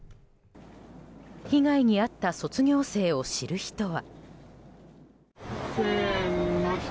被害に遭った卒業生を知る人は。